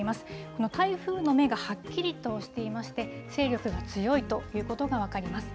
この台風の目がはっきりとしていまして、勢力が強いということが分かります。